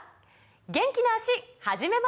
元気な脚始めましょう！